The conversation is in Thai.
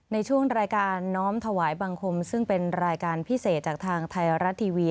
ในช่วงรายการน้อมถวายบังคมซึ่งเป็นรายการพิเศษจากทางไทยรัฐทีวี